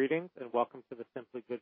Greetings, welcome to The Simply Good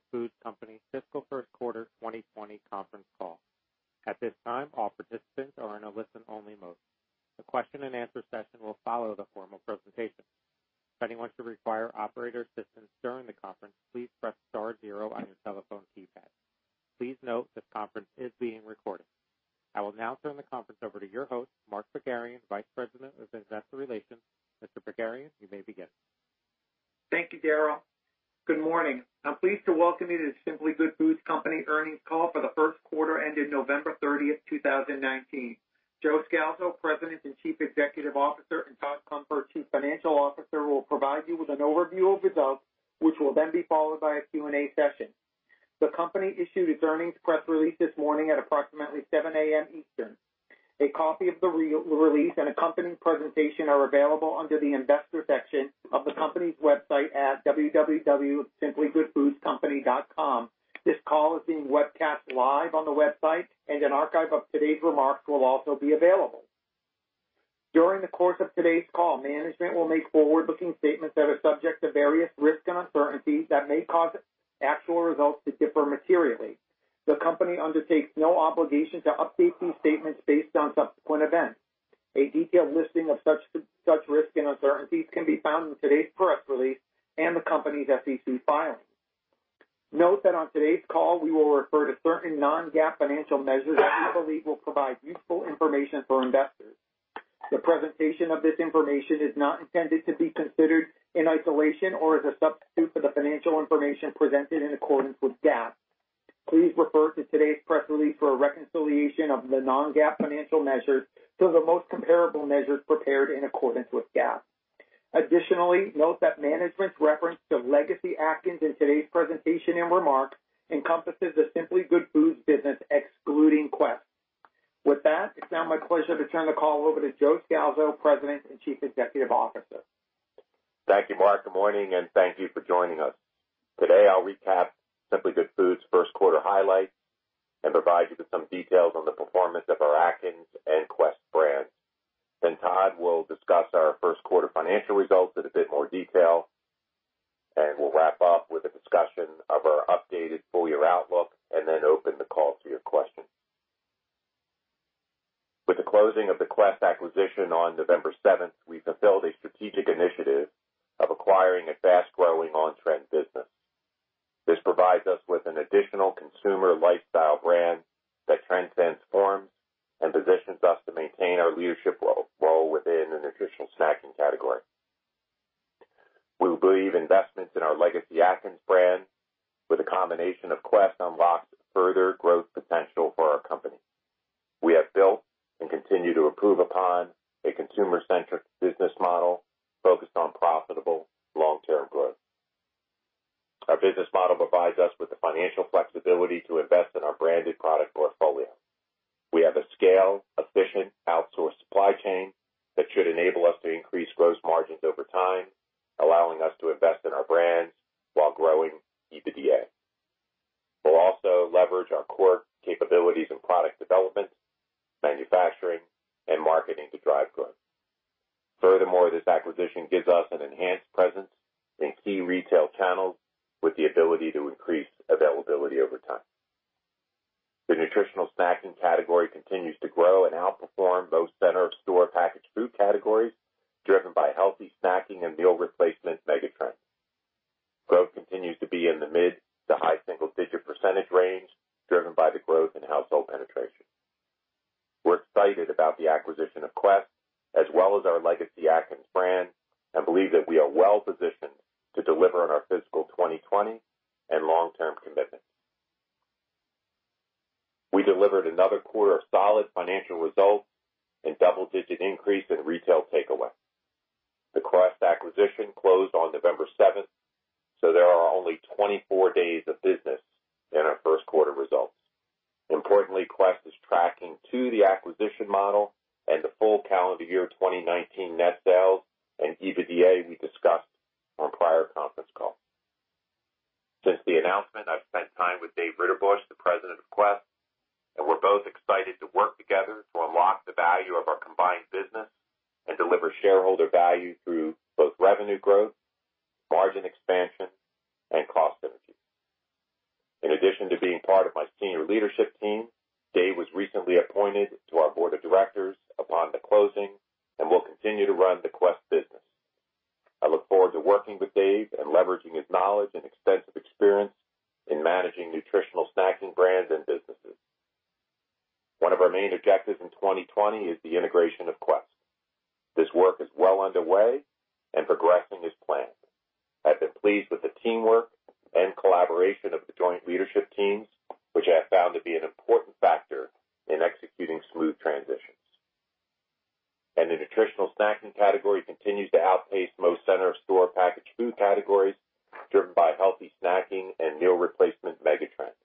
quarter financial results in a bit more detail. We'll wrap up with a discussion of our updated full-year outlook and then open the call to your questions. With the closing of the Quest acquisition on November 7th, we fulfilled a strategic initiative of acquiring a fast-growing, on-trend business. This provides us with an additional consumer lifestyle brand that transcends forms and positions us to maintain our leadership role within the nutritional snacking category. We believe investments in our legacy Atkins brands, with a combination of Quest, unlocks further growth potential for our company. We have built and continue to improve upon a consumer-centric business model focused on profitable long-term growth. Our business model provides us with the financial flexibility to invest in our branded product portfolio. We have a scale, efficient, outsourced supply chain that should enable us to increase gross margins over time, allowing us to invest in our brands while growing EBITDA. We will also leverage our core capabilities in product development, manufacturing, and marketing to drive growth. Furthermore, this acquisition gives us an enhanced presence in key retail channels with the ability to increase availability over time. The nutritional snacking category continues to grow and outperform most center-of-store packaged food categories, driven by healthy snacking and meal replacement megatrends. Growth continues to be in the mid to high single-digit % range, driven by the growth in household penetration. We're excited about the acquisition of Quest, as well as our Legacy Atkins brands, and believe that we are well-positioned to deliver on our fiscal 2020 and long-term commitments. We delivered another quarter of solid financial results and double-digit increase in retail takeaway. The Quest acquisition closed on November seventh. There are only 24 days of business in our first quarter results. Importantly, Quest is tracking to the acquisition model and the full calendar year of 2019 net sales and EBITDA we discussed on prior conference calls. Since the announcement, I've spent time with Dave Ritterbush, the President of Quest, and we're both excited to work together to unlock the value of our combined business and deliver shareholder value through both revenue growth, margin expansion, and cost synergies. In addition to being part of my senior leadership team, Dave was recently appointed to our board of directors upon the closing and will continue to run the Quest business. I look forward to working with Dave and leveraging his knowledge and extensive experience in managing nutritional snacking brands and businesses. One of our main objectives in 2020 is the integration of Quest. This work is well underway and progressing as planned. I've been pleased with the teamwork and collaboration of the joint leadership teams, which I have found to be an important factor in executing smooth transitions. The nutritional snacking category continues to outpace most center-of-store packaged food categories, driven by healthy snacking and meal replacement megatrends.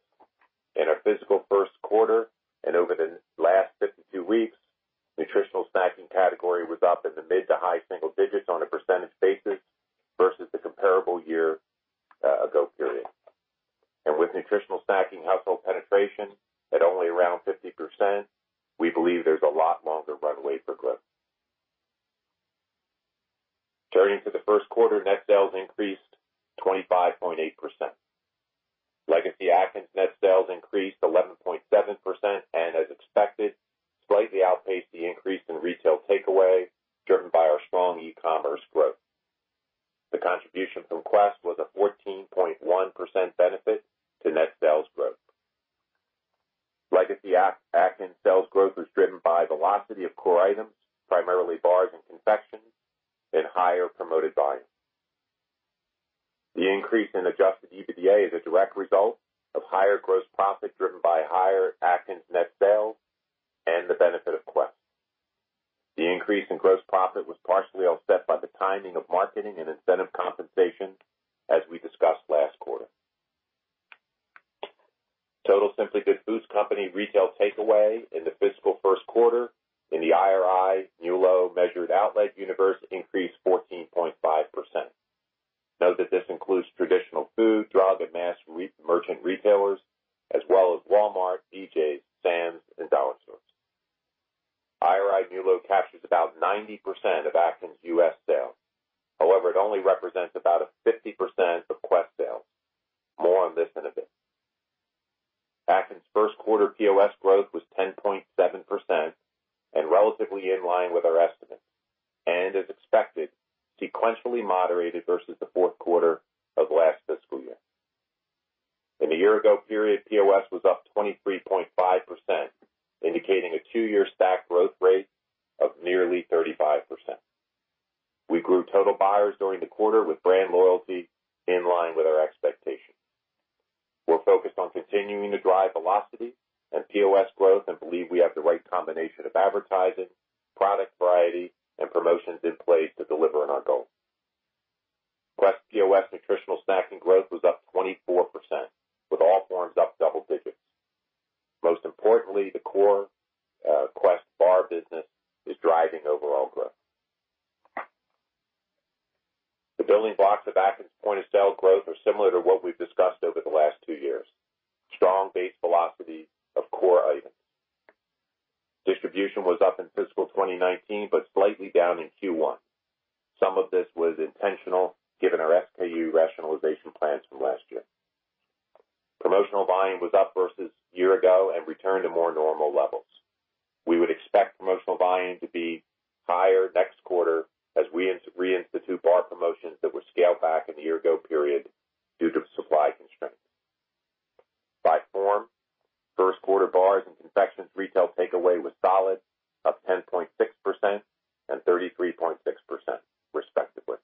In our physical first quarter and over the last 52 weeks, nutritional snacking category was up in the mid to high single digits on a percentage basis versus the comparable year. With nutritional snacking household penetration at only around 50%, we believe there's a lot longer runway for growth. Turning to the first quarter, net sales increased 25.8%. Legacy Atkins net sales increased 11.7% and, as expected, slightly outpaced the increase in retail takeaway, driven by our strong e-commerce growth. The contribution from Quest was a 14.1% benefit to net sales growth. Legacy Atkins sales growth was driven by velocity of core items, primarily bars and confections, and higher promoted volume. The increase in adjusted EBITDA is a direct result of higher gross profit driven by higher Atkins net sales and the benefit of Quest. The increase in gross profit was partially offset by the timing of marketing and incentive compensation, as we discussed last quarter. Total The Simply Good Foods Company retail takeaway in the fiscal first quarter in the IRI/Nielsen-measured outlet universe increased 14.5%. Note that this includes traditional food, drug, and mass merchant retailers as well as Walmart, BJ's, Sam's, and dollar stores. IRI/Nielsen captures about 90% of Atkins' U.S. sales. However, it only represents about 50% of Quest sales. More on this in a bit. Atkins first quarter POS growth was 10.7% and relatively in line with our estimates and, as expected, sequentially moderated versus the fourth quarter of last fiscal year. In the year-ago period, POS was up 23.5%, indicating a two-year stack growth rate of nearly 35%. We grew total buyers during the quarter with brand loyalty in line with our expectations. We're focused on continuing to drive velocity and POS growth and believe we have the right combination of advertising, product variety, and promotions in place to deliver on our goals. Quest POS nutritional snacking growth was up 24%, with all forms up double digits. Most importantly, the core Quest bar business is driving overall growth. The building blocks of Atkins point-of-sale growth are similar to what we've discussed over the last two years. Distribution was up in fiscal 2019, but slightly down in Q1. Some of this was intentional, given our SKU rationalization plans from last year. Promotional volume was up versus year ago and returned to more normal levels. We would expect promotional volume to be higher next quarter as we reinstitute bar promotions that were scaled back in the year ago period due to supply constraints. By form, first quarter bars and confections retail takeaway was solid, up 10.6% and 33.6%, respectively.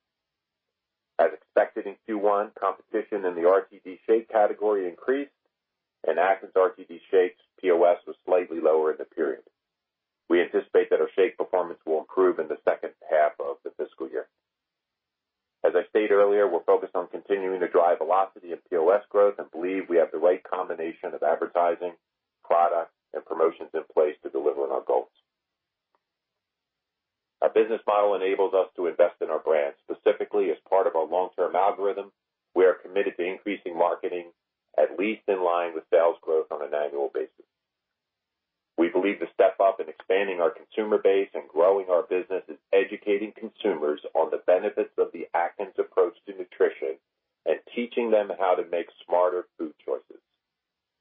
As expected in Q1, competition in the RTD shake category increased and Atkins RTD shakes POS was slightly lower in the period. We anticipate that our shake performance will improve in the second half of the fiscal year. As I stated earlier, we're focused on continuing to drive velocity and POS growth and believe we have the right combination of advertising, product, and promotions in place to deliver on our goals. Our business model enables us to invest in our brands. Specifically, as part of our long-term algorithm, we are committed to increasing marketing at least in line with sales growth on an annual basis. We believe the step up in expanding our consumer base and growing our business is educating consumers on the benefits of the Atkins approach to nutrition and teaching them how to make smarter food choices.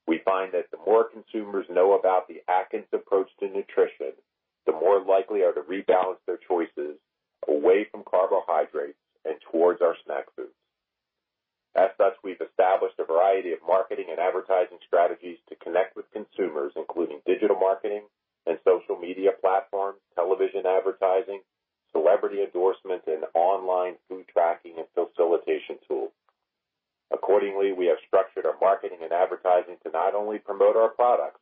We find that the more consumers know about the Atkins approach to nutrition, the more likely are to rebalance their choices away from carbohydrates and towards our snack foods. As such, we've established a variety of marketing and advertising strategies to connect with consumers, including digital marketing and social media platforms, television advertising, celebrity endorsement, and online food tracking and facilitation tools. Accordingly, we have structured our marketing and advertising to not only promote our products,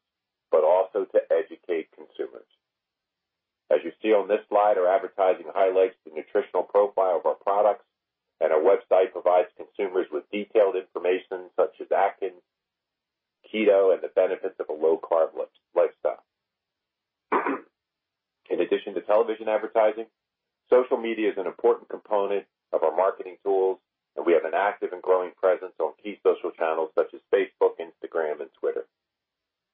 but also to educate consumers. As you see on this slide, our advertising highlights the nutritional profile of our products, and our website provides consumers with detailed information such as Atkins, Keto, and the benefits of a low-carb lifestyle. In addition to television advertising, social media is an important component of our marketing tools, and we have an active and growing presence on key social channels such as Facebook, Instagram, and Twitter.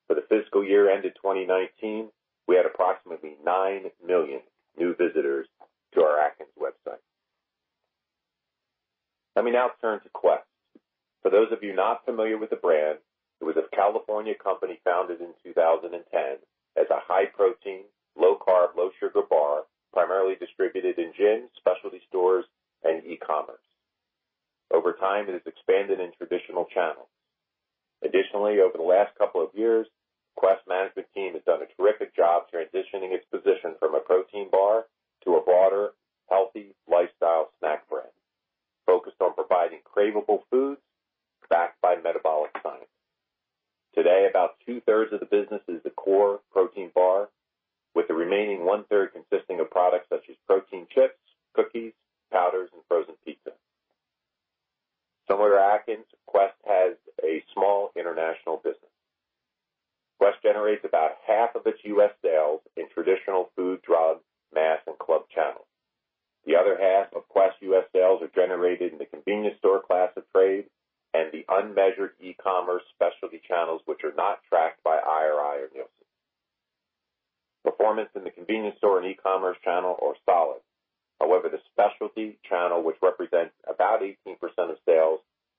For the fiscal year ended 2019, we had approximately 9 million new visitors to our Atkins website. Let me now turn to Quest. For those of you not familiar with the brand, it was a California company founded in 2010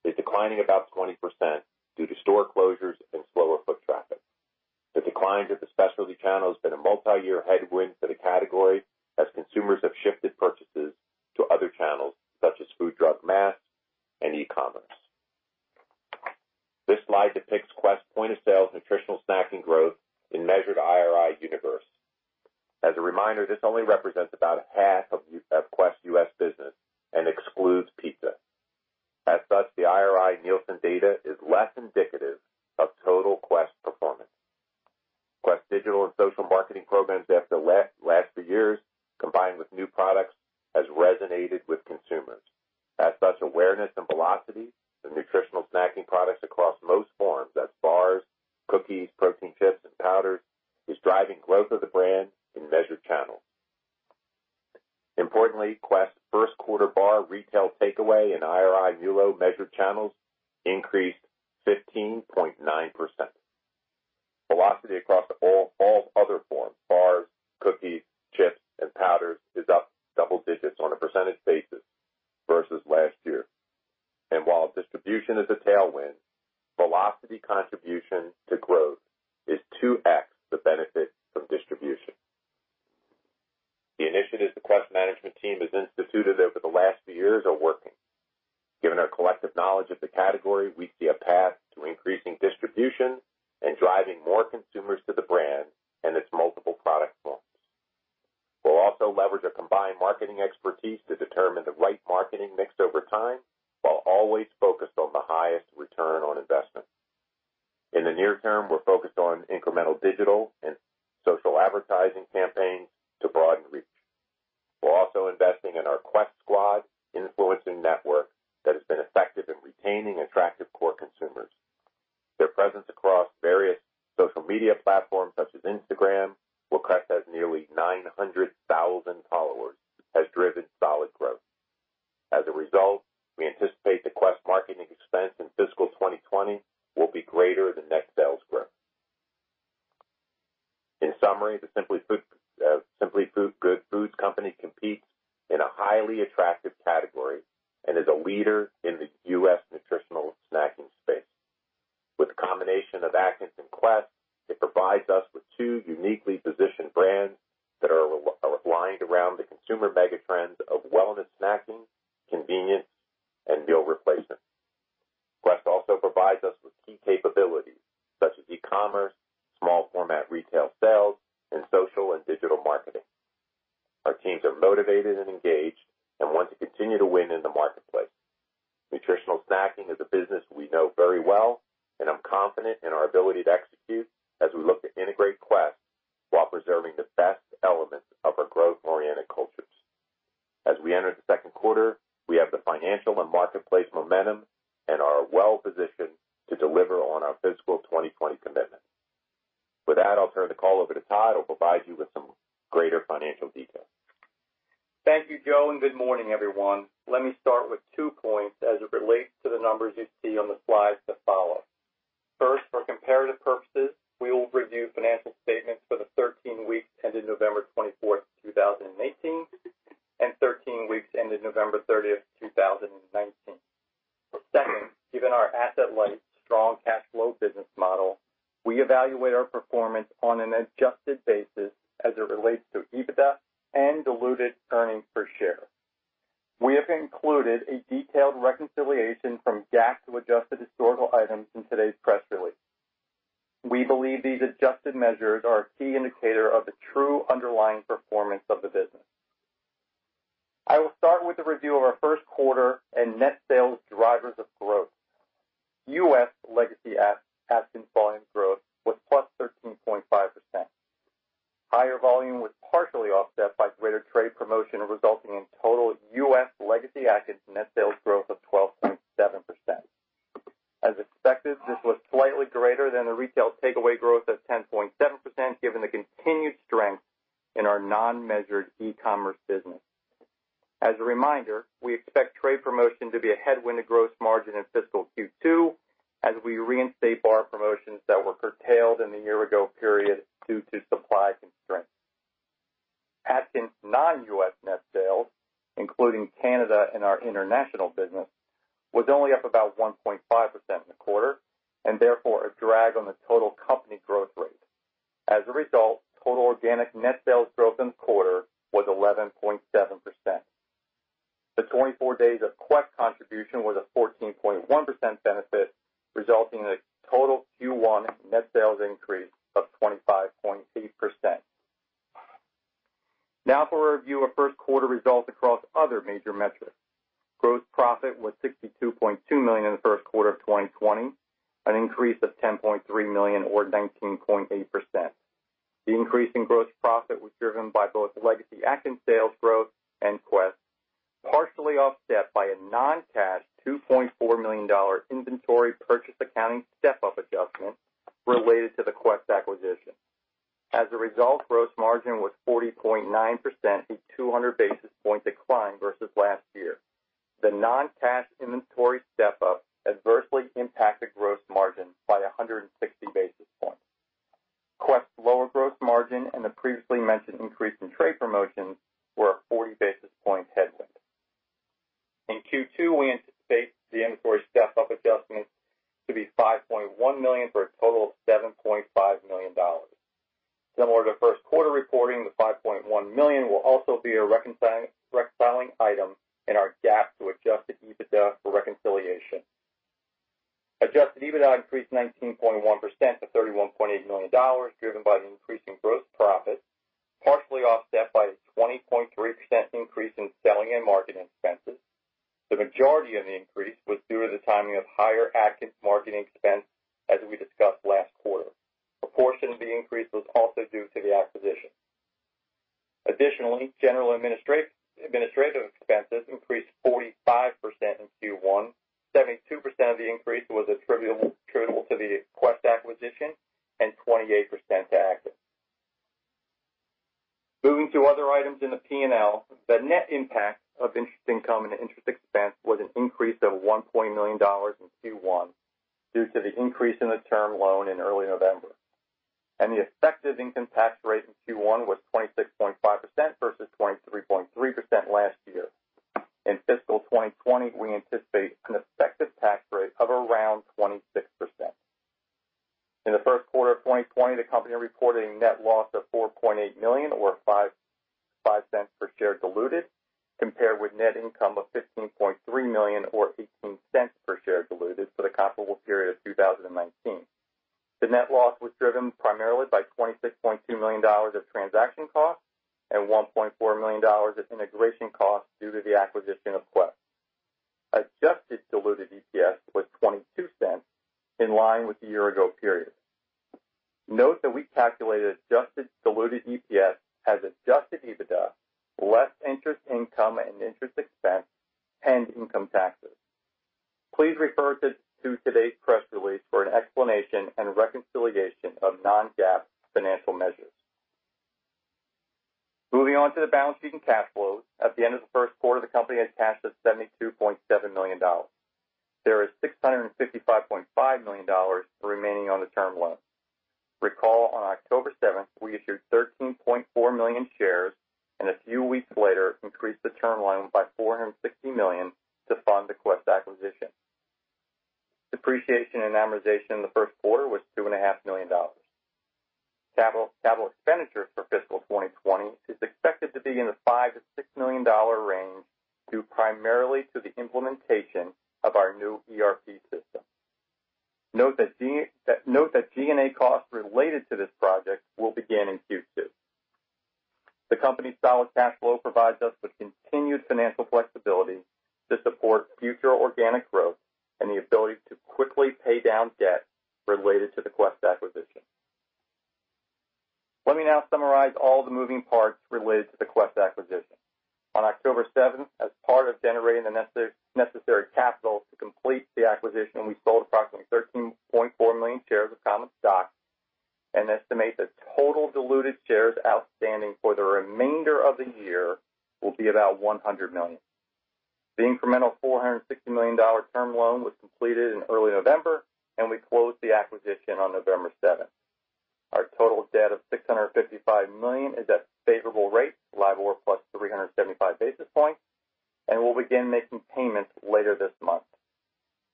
sales, is declining about 20% due to store closures and slower foot traffic. The declines of the specialty channel has been a multi-year headwind for the category as consumers have shifted purchases to other channels such as food, drug, mass, and e-commerce. This slide depicts Quest point-of-sale nutritional snacking growth in measured IRI universe. As a reminder, this only represents about half of Quest U.S. business and excludes pizza. The IRI, Nielsen data is less indicative of total Quest performance. Quest digital and social marketing programs over the last few years, combined with new products, has resonated with consumers. Awareness and velocity of nutritional snacking products across most forms, that's bars, cookies, protein chips, and powders, is driving growth of the brand in measured channels. Importantly, Quest first quarter bar retail takeaway in IRI, Nielsen measured channels increased 15.9%. Velocity across all other forms, bars, cookies, chips, and powders is up double digits on a percentage basis versus last year. While distribution is a tailwind, velocity contribution to growth is 2x the benefit of distribution. The initiatives the Quest management team has instituted over the last few years are working. Given our collective knowledge of the category, we see a path to increasing distribution and driving more consumers to the brand and its multiple product forms. We'll also leverage our combined marketing expertise to determine the right marketing mix over time, while always focused on the highest return on investment. In the near term, we're focused on incremental digital and social advertising campaigns to broaden reach. We're also investing in our Quest Squad influencing network that has been effective in retaining attractive core consumers. Their presence across various social media platforms, such as Instagram, where Quest has nearly 900,000 followers, has driven solid growth. As a result, we anticipate the Quest marketing expense in fiscal 2020 will be greater than net sales growth. In summary, The Simply Good Foods Company competes in a highly attractive category and is a leader in the U.S. nutritional snacking space. With the combination of Atkins and Quest, it provides us with two uniquely positioned brands that are aligned around the consumer mega trends of wellness snacking, convenience, and meal replacement. Quest also provides us with key capabilities such as e-commerce, small format retail sales, and social and digital marketing. Our teams are motivated and engaged and want to continue to win in the marketplace. Nutritional snacking is a business we know very well, and I'm confident in our ability to execute as we look to integrate Quest while preserving the best elements of our growth-oriented cultures. As we enter the second quarter, we have the financial and marketplace momentum and are well-positioned to deliver on our fiscal 2020 commitment. With that, I'll turn the call over to Todd, who'll provide you with some greater financial details. Thank you, Joe. Good morning, everyone. Let me start with two points as it relates to the numbers you see on the slides that follow. First, for comparative purposes, we will review financial statements for the 13 weeks ended November 24, 2018, and 13 weeks ended November 30, 2019. Second, given our asset-light strong cash flow business model, we evaluate our performance on an adjusted basis The non-cash inventory step-up adversely impacted gross margin by 160 basis points. Quest lower gross margin and the previously mentioned increase in trade promotions were a 40 basis point headwind. In Q2, we anticipate the inventory step-up adjustments to be $5.1 million for a total of $7.5 million. Similar to first quarter reporting, the $5.1 million will also be a reconciling item in our GAAP to adjusted EBITDA for reconciliation. Adjusted EBITDA increased 19.1% to $31.8 million, driven by the increase in gross profit, partially offset by a 20.3% increase in selling and marketing expenses. The majority of the increase was due to the timing of higher Atkins marketing expense, as we discussed last quarter. A portion of the increase was also due to the acquisition. Additionally, general administrative expenses increased 45% in Q1. 72% of the increase was attributable to the Quest acquisition and 28% to Atkins. Moving to other items in the P&L, the net impact of interest income and interest expense was an increase of $1.9 million in Q1 due to the increase in the term loan in early November. The effective income tax rate in Q1 was 26.5% versus 23.3% last year. In fiscal 2020, we anticipate an effective tax rate of around 26%. In the first quarter of 2020, the company reported a net loss of $4.8 million or $0.05 per share diluted, compared with net income of $15.3 million or $0.18 per share diluted for the comparable period of 2019. The net loss was driven primarily by $26.2 million of transaction costs and $1.4 million of integration costs due to the acquisition of Quest. Adjusted diluted EPS was $0.22, in line with the year-ago period. Note that we calculate adjusted diluted EPS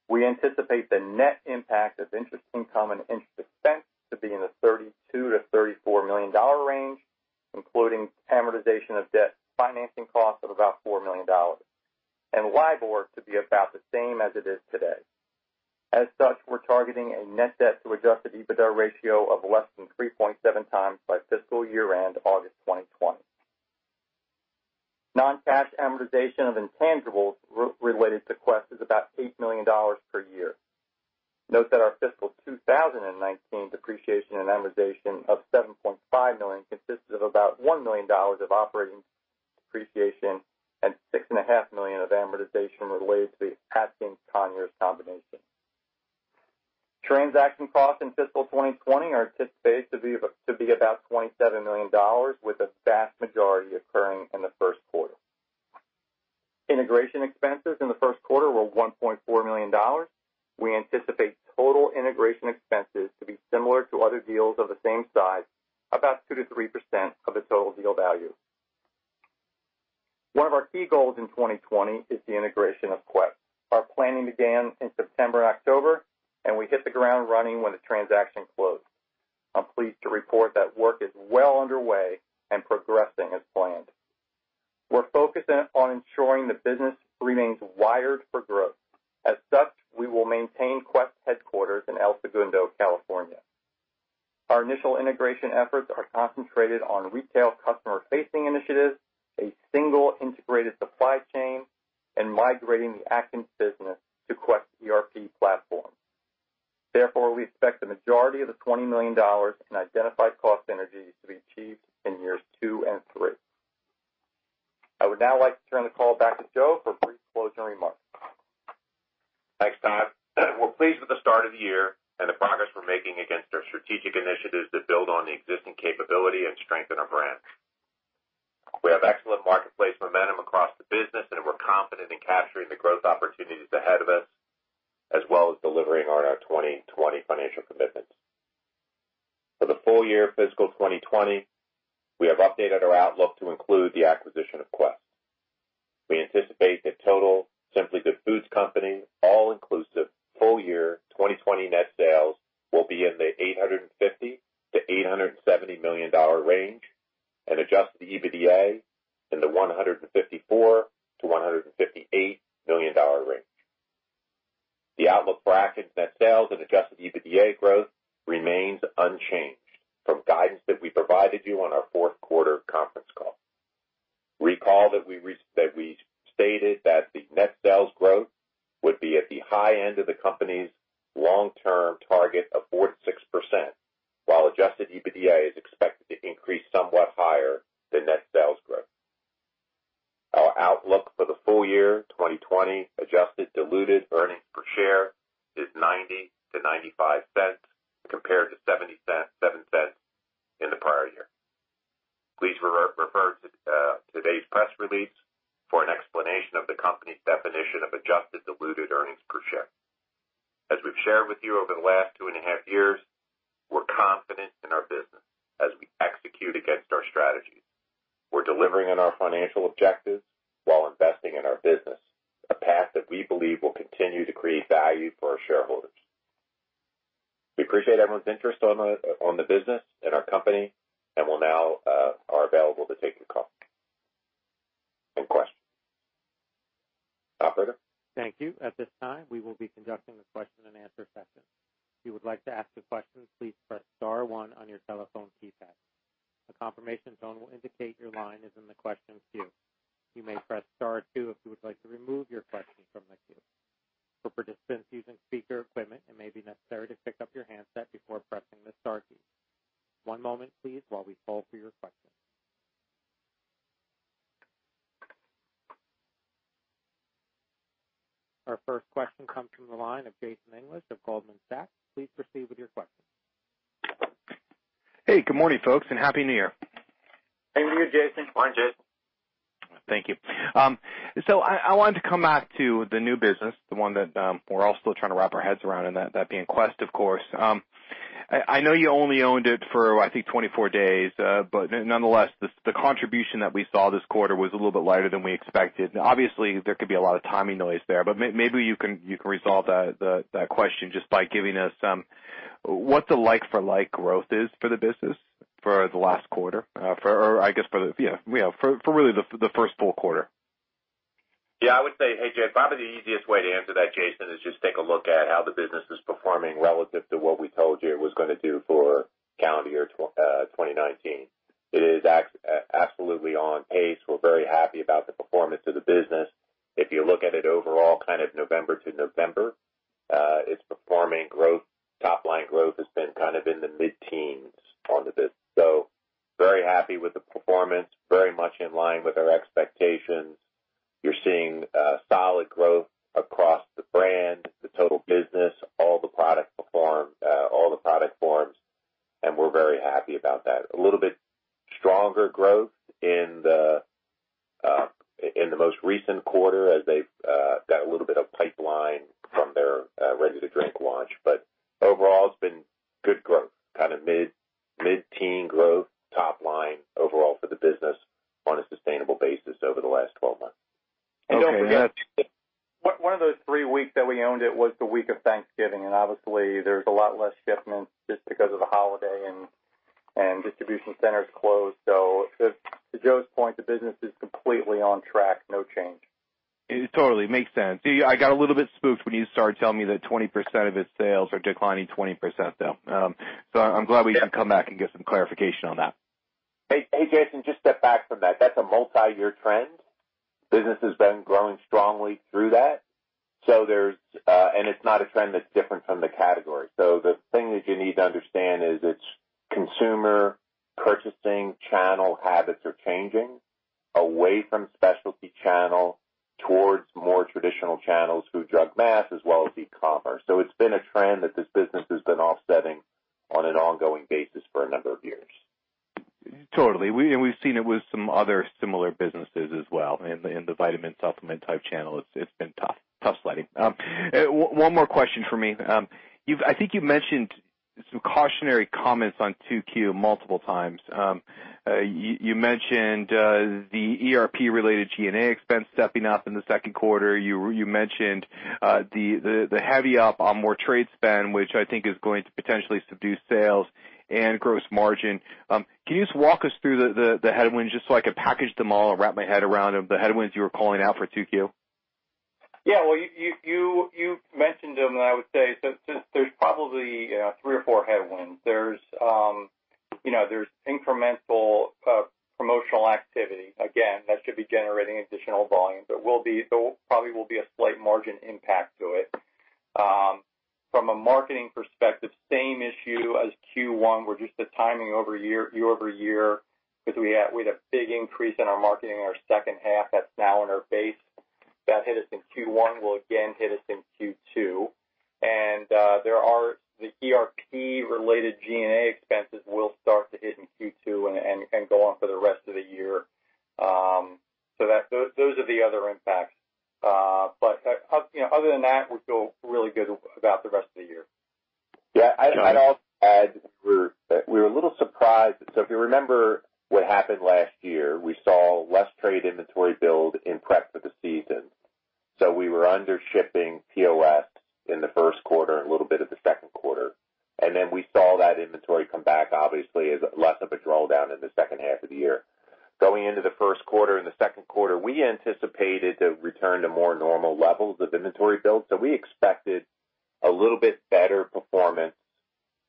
We anticipate the net impact of interest income and interest expense to be in the $32 million-$34 million range, including amortization of debt financing cost of about $4 million, and LIBOR to be about the same as it is today. As such, we are targeting a net debt to adjusted EBITDA ratio of less than 3.7 times by fiscal year-end August 2020. Non-cash amortization of intangibles related to Quest is about $8 million per year. Note that our fiscal 2019 depreciation and amortization of $7.5 million consisted of about $1 million of operating depreciation and $6.5 million of amortization related to the Atkins/Conyers Park combination. Transaction costs in fiscal 2020 are anticipated to be about $27 million, with the vast majority occurring in the first quarter. Integration expenses in the first quarter were $1.4 million. We anticipate total integration expenses to be similar to other deals of the same size, about 2%-3% of the total deal value. One of our key goals in 2020 is the integration of Quest. Our planning began in September, October, we hit the ground running when the transaction closed. I'm pleased to report that work is well underway and progressing as planned. We're focusing on ensuring the business remains wired for growth. As such, we will maintain Quest headquarters in El Segundo, California. Our initial integration efforts are concentrated on retail customer-facing initiatives, a single integrated supply chain, and migrating the Atkins business to Quest ERP platform. Therefore, we expect the majority of the $20 million in identified cost synergies to be achieved in years two and three. I would now like to turn the call back to Joe for brief closing remarks. Thanks, Todd. We're pleased with the start of the year and the progress we're making against our strategic initiatives that build on the existing capability and strengthen our brand. We have excellent marketplace momentum across the business, and we're confident in capturing the growth opportunities ahead of us, as well as delivering on our 2020 financial commitments. For the full year fiscal 2020, we have updated our outlook to include the acquisition of Quest. We anticipate that total The Simply Good Foods Company all inclusive full year 2020 net sales will be in the $850 million-$870 million range and adjusted EBITDA in the $154 million-$158 million range. The outlook bracket net sales and adjusted EBITDA growth remains unchanged from guidance that we provided you on our fourth quarter conference call. Recall that we stated that the net sales growth would be at the high end of the company's long-term target of 46%, while adjusted EBITDA is expected to increase somewhat higher than net sales growth. Our outlook for the full year 2020 adjusted diluted earnings per share is $0.90-$0.95 compared to $0.77 in the prior year. Please refer to today's press release for an explanation of the company's definition of adjusted diluted earnings per share. As we've shared with you over the last two and a half years, we're confident in our business as we execute against our strategies. We're delivering on our financial objectives while investing in our business, a path that we believe will continue to create value for our shareholders. We appreciate everyone's interest on the business and our company, and now are available to take some questions. Operator? Thank you. At this time, we will be conducting the question and answer session. If you would like to ask a question, please press star one on your telephone keypad. A confirmation tone will indicate your line is in the questions queue. You may press star two if you would like to remove your question from the queue. For participants using speaker equipment, it may be necessary to pick up your handset before pressing the star key. One moment, please, while we call for your questions. Our first question comes from the line of Jason English of Goldman Sachs. Please proceed with your question. Hey, good morning, folks, and Happy New Year. Happy New Year, Jason. Morning, Jason. Thank you. I wanted to come back to the new business, the one that we're all still trying to wrap our heads around, and that being Quest, of course. I know you only owned it for, I think, 24 days. Nonetheless, the contribution that we saw this quarter was a little bit lighter than we expected. Obviously, there could be a lot of timing noise there, but maybe you can resolve that question just by giving us what the like for like growth is for the business for the last quarter, or I guess for, yeah, for really the first full quarter. I would say, hey, Jason, probably the easiest way to answer that, Jason, is just take a look at how the business is performing relative to what we told you it was gonna do for calendar year 2019. It is absolutely on pace. We're very happy about the performance of the business. If you look at it overall, kind of November to November, its performing growth, top line growth has been kind of in the mid-teens on the business. Very happy with the performance, very much in line with our expectations. You're seeing solid growth across the brand, the total business, all the product forms, and we're very happy about that. A towards more traditional channels through drug mass as well as e-commerce. It's been a trend that this business has been offsetting on an ongoing basis for a number of years. Totally. We've seen it with some other similar businesses as well in the vitamin supplement type channel. It's been tough sledding. One more question from me. I think you've mentioned some cautionary comments on 2Q multiple times. You mentioned the ERP related G&A expense stepping up in the second quarter. You mentioned the heavy up on more trade spend, which I think is going to potentially subdue sales and gross margin. Can you just walk us through the headwinds just so I can package them all and wrap my head around them, the headwinds you were calling out for 2Q? Yeah. Well, you mentioned them, I would say there's probably three or four headwinds. There's incremental promotional activity, again, that should be generating additional volumes. There probably will be a slight margin impact to it. From a marketing perspective, same issue as Q1, where just the timing year-over-year, because we had a big increase in our marketing in our second half that's now in our base. That hit us in Q1, will again hit us in Q2, the ERP-related G&A expenses will start to hit in Q2 and go on for the rest of the year. Those are the other impacts. Other than that, we feel really good about the rest of the year. Yeah. I'd also add, we were a little surprised. If you remember what happened last year, we saw less trade inventory build in prep for the season. We were under-shipping POS in the first quarter and a little bit of the second quarter. Then we saw that inventory come back, obviously, as less of a draw down in the second half of the year. Going into the first quarter and the second quarter, we anticipated to return to more normal levels of inventory build. We expected a little bit better performance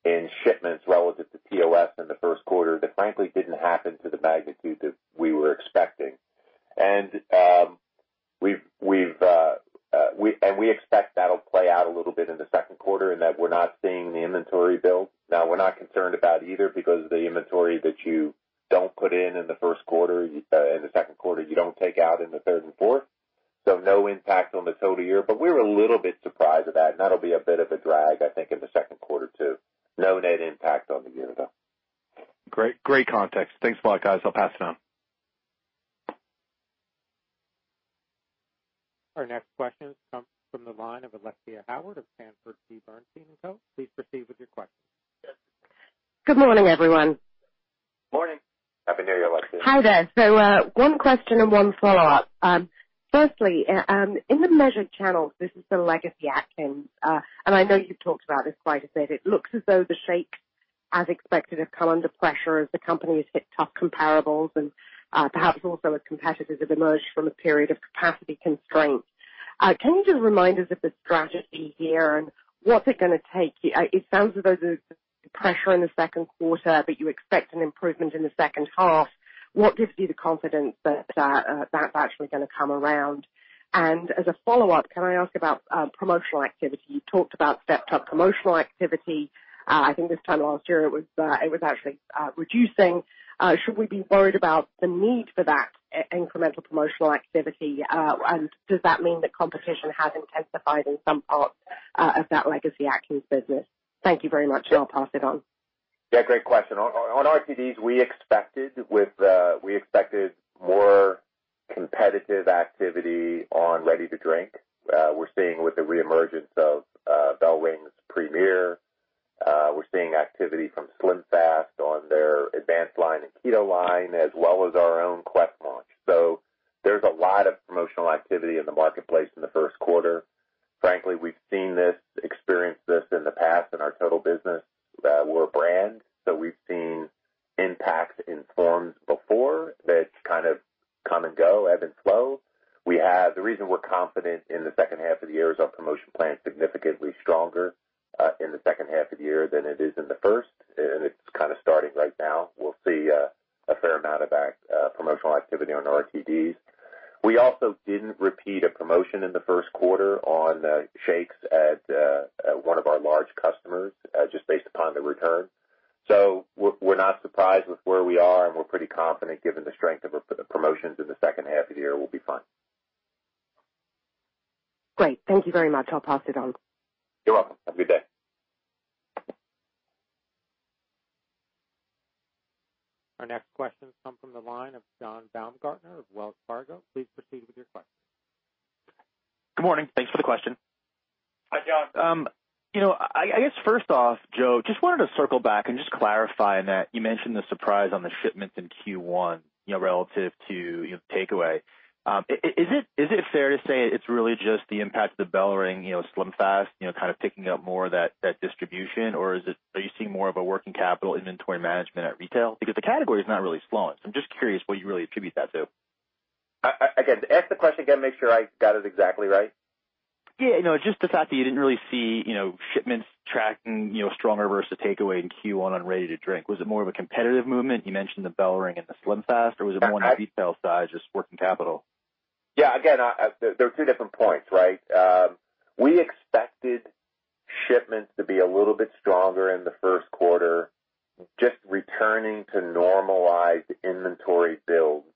in shipments relative to POS in the first quarter that frankly didn't happen to the magnitude that we were expecting. We expect that'll play out a little bit in the second quarter in that we're not seeing the inventory build. Now, we're not concerned about either because the inventory that you don't put in the first quarter, in the second quarter, you don't take out in the third and fourth. No impact on the total year. We were a little bit surprised at that, and that'll be a bit of a drag, I think, in the second quarter too. No net impact on the year, though. Great context. Thanks a lot, guys. I'll pass it on. Our next question comes from the line of Alexia Howard of Sanford C. Bernstein & Co. Please proceed with your question. Good morning, everyone. Morning. Happy New Year, Alexia. Hi there. One question and one follow-up. Firstly, in the measured channels, this is the Legacy Atkins, and I know you've talked about this quite a bit. It looks as though the shakes, as expected, have come under pressure as the company has hit tough comparables and perhaps also as competitors have emerged from a period of capacity constraints. Can you just remind us of the strategy here and what's it gonna take? It sounds as though there's pressure in the second quarter, but you expect an improvement in the second half. What gives you the confidence that that's actually gonna come around? As a follow-up, can I ask about promotional activity? You talked about stepped-up promotional activity. I think this time last year it was actually reducing. Should we be worried about the need for that incremental promotional activity? Does that mean that competition has intensified in some parts of that Legacy Atkins business? Thank you very much, and I'll pass it on. Yeah, great question. On RTDs, we expected more competitive activity on ready-to-drink. We're seeing with the reemergence of BellRing's Premier. We're seeing activity from SlimFast on their Advanced line and Keto line, as well as our own Quest launch. There's a lot of promotional activity in the marketplace in the first quarter. Frankly, we've seen this, experienced this in the past in our total business. We're a brand. We've seen impacts in forms before that kind of come and go, ebb and flow. The reason we're confident in the second half of the year is our promotion plan is significantly stronger in the second half of the year than it is in the first. It's kind of starting right now. We'll see a fair amount of promotional activity on RTDs. We also didn't repeat a promotion in the first quarter on shakes at one of our large customers, just based upon the return. We're not surprised with where we are, and we're pretty confident given the strength of the promotions in the second half of the year, we'll be fine. Great. Thank you very much. I'll pass it on. You're welcome. Have a good day. Our next question comes from the line of John Baumgartner of Wells Fargo. Please proceed with your question. Good morning. Thanks for the question. Hi, John. I guess first off, Joe, just wanted to circle back and just clarify in that you mentioned the surprise on the shipments in Q1, relative to the takeaway. Is it fair to say it's really just the impact of the BellRing, SlimFast, kind of picking up more of that distribution? Or are you seeing more of a working capital inventory management at retail? The category is not really slowing. I'm just curious what you really attribute that to. Ask the question again, make sure I got it exactly right. Yeah. Just the fact that you didn't really see shipments tracking stronger versus the takeaway in Q1 on ready-to-drink. Was it more of a competitive movement, you mentioned the BellRing and the SlimFast, or was it more on the retail side, just working capital? They're two different points, right? We expected shipments to be a little bit stronger in the first quarter, just returning to normalized inventory builds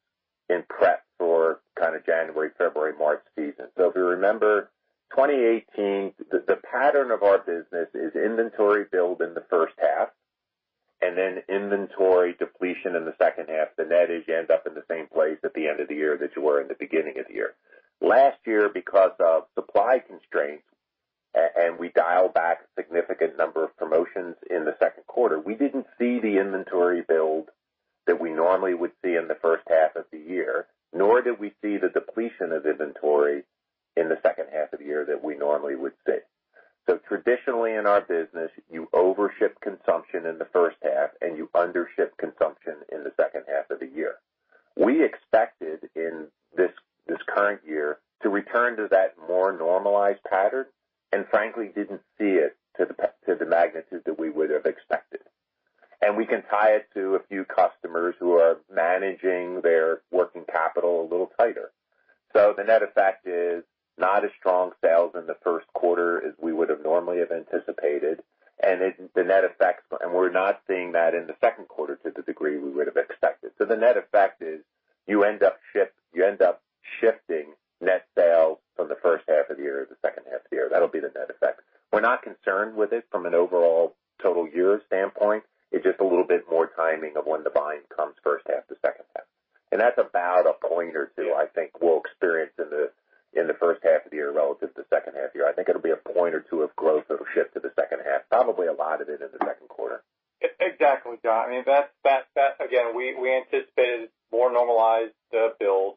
in prep for kind of January, February, March season. If you remember 2018, the pattern of our business is inventory build in the first half inventory depletion in the second half. The net is you end up in the same place at the end of the year that you were in the beginning of the year. Last year, because of supply constraints, we dialed back a significant number of promotions in the second quarter, we didn't see the inventory build that we normally would see in the first half of the year, nor did we see the depletion of inventory in the second half of the year that we normally would see. Traditionally in our business, you overship consumption in the first half and you undership consumption in the second half of the year. We expected in this current year to return to that more normalized pattern, frankly, didn't see it to the magnitude that we would have expected. We can tie it to a few customers who are managing their working capital a little tighter. The net effect is not as strong sales in the first quarter as we would have normally have anticipated. We're not seeing that in the second quarter to the degree we would have expected. The net effect is you end up shifting net sales from the first half of the year to the second half of the year. That'll be the net effect. We're not concerned with it from an overall total year standpoint. It's just a little bit more timing of when the buying comes first half to second half. That's about a point or two, I think we'll experience in the first half of the year relative to second half year. I think it'll be a point or two of growth that'll shift to the second half, probably a lot of it in the second quarter. Exactly, John. Again, we anticipated more normalized build.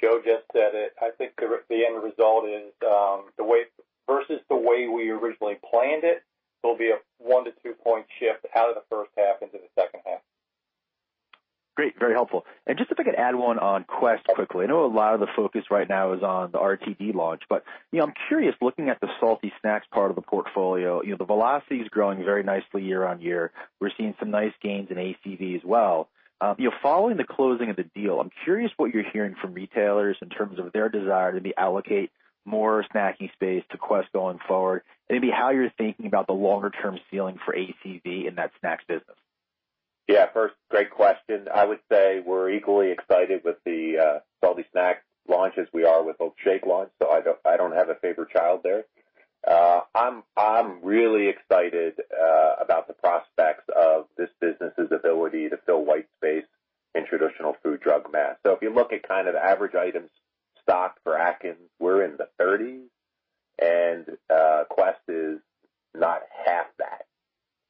Joe just said it. I think the end result is versus the way we originally planned it, there will be a one to two-point shift out of the first half into the second half. Great. Very helpful. Just if I could add one on Quest quickly. I know a lot of the focus right now is on the RTD launch, but I'm curious, looking at the salty snacks part of the portfolio, the velocity is growing very nicely year-on-year. We're seeing some nice gains in ACV as well. Following the closing of the deal, I'm curious what you're hearing from retailers in terms of their desire to maybe allocate more snacking space to Quest going forward, and maybe how you're thinking about the longer-term ceiling for ACV in that snacks business. First, great question. I would say we're equally excited with the salty snack launch as we are with the shake launch. I don't have a favorite child there. I'm really excited about the prospects of this business's ability to fill white space in traditional food drug mass. If you look at average items stocked for Atkins, we're in the 30s, and Quest is not half that.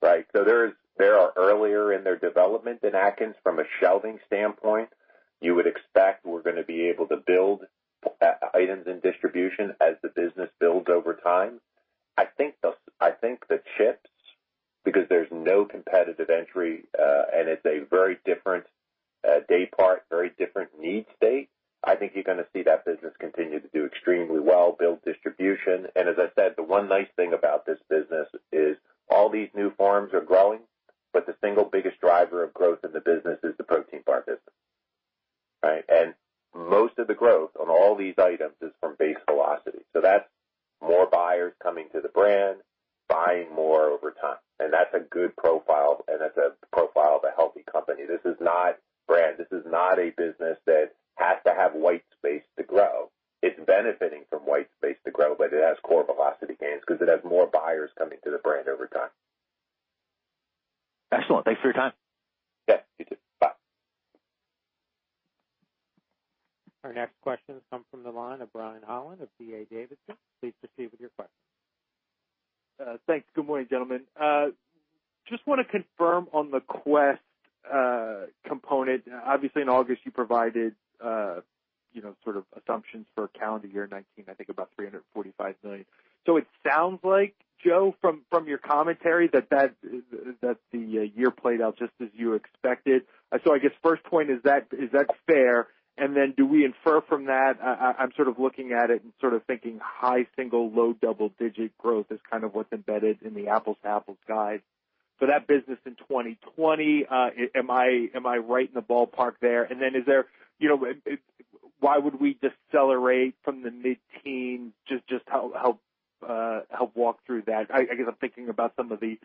Right? They are earlier in their development than Atkins from a shelving standpoint. You would expect we're going to be able to build items and distribution as the business builds over time. I think the chips, because there's no competitive entry, and it's a very different day part, very different need state, I think you're going to see that business continue to do extremely well, build distribution. As I said, the one nice thing about this business is all these new forms are growing, but the single biggest driver of growth in the business is the protein bar business. Right? Most of the growth on all these items is from base velocity. That's more buyers coming to the brand, buying more over time. That's a good profile, and that's a profile of a healthy company. This is not a business that has to have white space to grow. It's benefiting from white space to grow, but it has core velocity gains because it has more buyers coming to the brand over time. Excellent. Thanks for your time. Yeah, you too. Bye. Our next question comes from the line of Brian Holland of D.A. Davidson. Please proceed with your question. Thanks. Good morning, gentlemen. Just want to confirm on the Quest component. Obviously, in August you provided sort of assumptions for calendar year 2019, I think about $345 million. It sounds like, Joe, from your commentary, that the year played out just as you expected. I guess first point is that fair? Do we infer from that, I'm sort of looking at it and sort of thinking high single, low double-digit growth is kind of what's embedded in the apples-to-apples guide for that business in 2020. Am I right in the ballpark there? Why would we decelerate from the mid-teen? Just help walk through that. I guess I'm thinking about some of the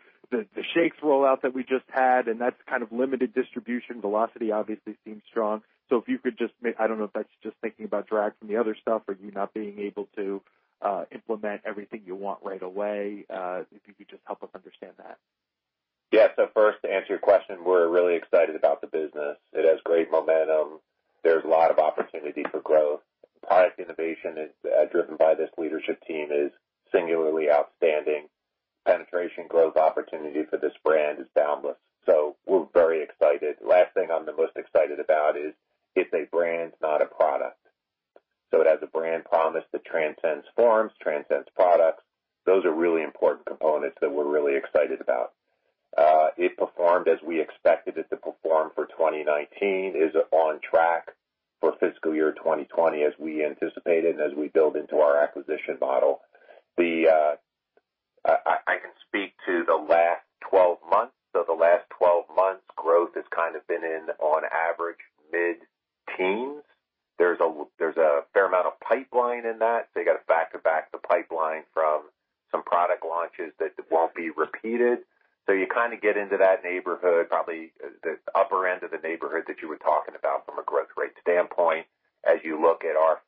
shakes rollout that we just had, and that's kind of limited distribution. Velocity obviously seems strong. I don't know if that's just thinking about drag from the other stuff or you not being able to implement everything you want right away. If you could just help us understand that. First, to answer your question, we're really excited about the business. It has great momentum. There's a lot of opportunity for growth. Product innovation driven by this leadership team is singularly outstanding. Penetration growth opportunity for this brand is boundless. We're very excited. Last thing I'm the most excited about is it's a brand, not a product. It has a brand promise that transcends forms, transcends products. Those are really important components that we're really excited about. It performed as we expected it to perform for 2019. It is on track for fiscal year 2020 as we anticipated and as we build into our acquisition model. I can speak to the last 12 months. The last 12 months, growth has kind of been in on average mid-teens. There's a fair amount of pipeline in that, so you got to factor back the pipeline from some product launches that won't be repeated. You kind of get into that neighborhood, probably the upper end of the neighborhood that you were talking about from a growth rate standpoint as you look at our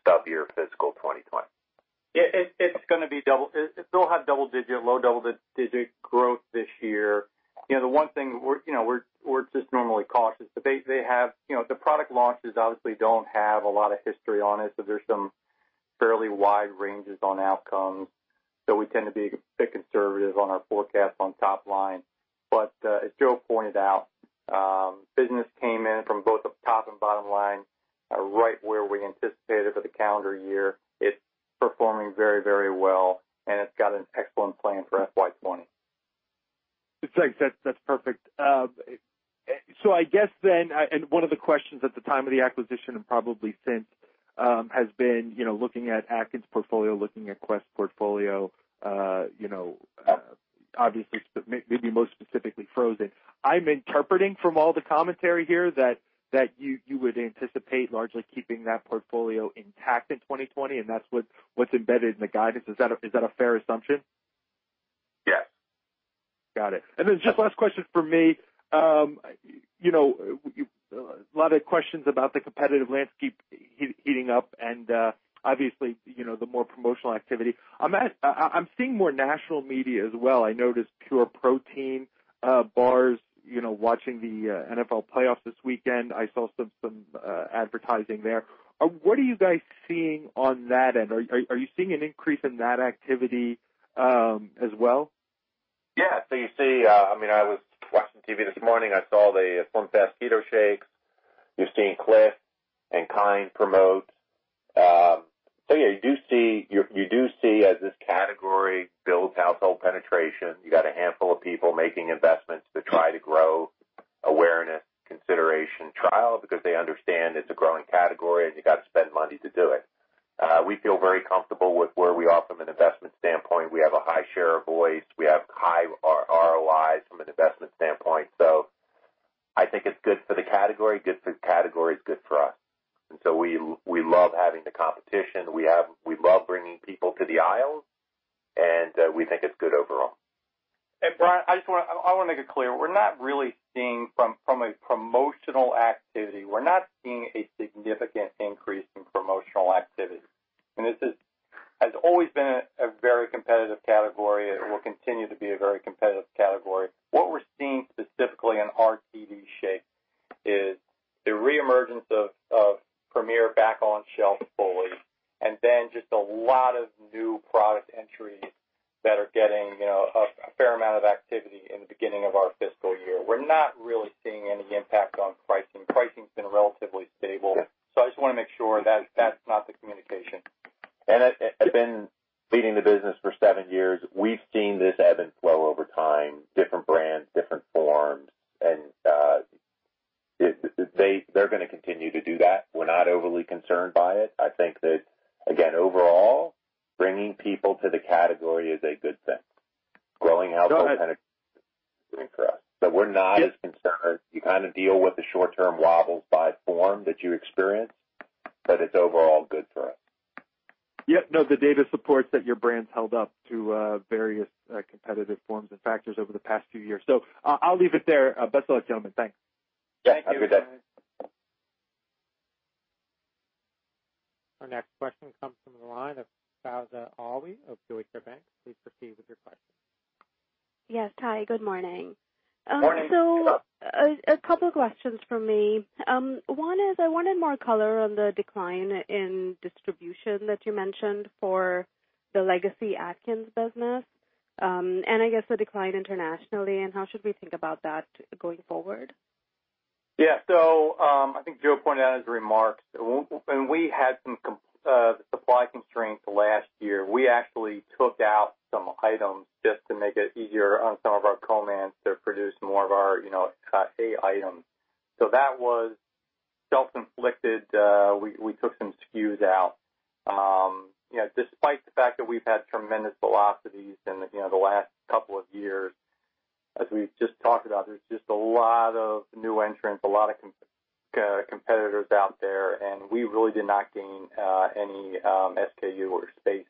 stub here, fiscal 2020. It'll have low double-digit growth this year. The one thing, we're just normally cautious, but the product launches obviously don't have a lot of history on it, so there's some fairly wide ranges on outcomes. We tend to be a bit conservative on our forecast on top line. As Joe pointed out, business came in from both the top and bottom line. Right where we anticipated for the calendar year. It's performing very well, and it's got an excellent plan for FY 2020. Thanks. That's perfect. I guess then, one of the questions at the time of the acquisition and probably since, has been looking at Atkins portfolio, looking at Quest portfolio, obviously, maybe most specifically frozen. I'm interpreting from all the commentary here that you would anticipate largely keeping that portfolio intact in 2020, and that's what's embedded in the guidance. Is that a fair assumption? Yes. Got it. Just last question from me. A lot of questions about the competitive landscape heating up and obviously, the more promotional activity. I'm seeing more national media as well. I noticed Pure Protein bars watching the NFL playoffs this weekend. I saw some advertising there. What are you guys seeing on that end? Are you seeing an increase in that activity as well? Yeah. You see, I was watching TV this morning. I saw the SlimFast Keto shakes. You're seeing Clif and Kind promote. Yeah, you do see, as this category builds household penetration, you got a handful of people making investments to try to grow awareness, consideration, trial, because they understand it's a growing category and you got to spend money to do it. We feel very comfortable with where we are from an investment standpoint. We have a high share of voice. We have high ROIs from an investment standpoint. I think it's good for the category. Good for the category is good for us. We love having the competition. We love bringing people to the aisle, and we think it's good overall. Brian, I want to make it clear, from a promotional activity, we're not seeing a significant increase in promotional activity. This has always been a very competitive category. It will continue to be a very competitive category. What we're seeing specifically in RTD shakes is the reemergence of Premier back on shelf fully, and then just a lot of new product entries that are getting a fair amount of activity in the beginning of our fiscal year. We're not really seeing any impact on pricing. Pricing's been relatively stable. I just want to make sure that's not the communication. I've been leading the business for seven years. We've seen this ebb and flow over time, different brands, different forms, and they're going to continue to do that. We're not overly concerned by it. I think that, again, overall, bringing people to the category is a good thing. Growing household penetration is good for us. We're not as concerned. You kind of deal with the short-term wobbles by form that you experience, but it's overall good for us. Yeah. No, the data supports that your brand's held up to various competitive forms and factors over the past few years. I'll leave it there. Best of luck, gentlemen. Thanks. Yeah. Have a good day. Our next question comes from the line of Faiza Ali of Deutsche Bank. Please proceed with your question. Yes. Hi, good morning. Morning. A couple questions from me. One is, I wanted more color on the decline in distribution that you mentioned for the Legacy Atkins business. I guess the decline internationally, and how should we think about that going forward? I think Joe Scalzo pointed out in his remarks, when we had some supply constraints last year, we actually took out some items just to make it easier on some of our co-mans to produce more of our Category A items. That was self-inflicted. We took some SKUs out. Despite the fact that we've had tremendous velocities in the last couple of years, as we've just talked about, there's just a lot of new entrants, a lot of competitors out there, and we really did not gain any SKU or space